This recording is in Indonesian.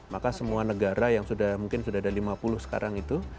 maka semua negara yang mungkin sudah ada lima puluh sekarang itu